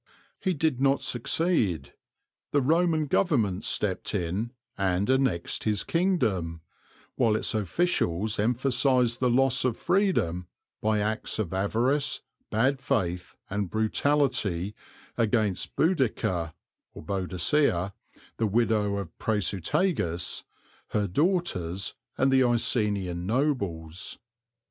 He did not succeed: the Roman Government stepped in and annexed his kingdom, while its officials emphasized the loss of freedom by acts of avarice, bad faith, and brutality against Boudicca (Boadicea), the widow of Prasutagus, her daughters, and the Icenian nobles."